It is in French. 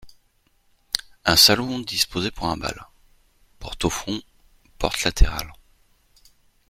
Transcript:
Un salon disposé pour un bal. — Portes au fond ; portes latérales.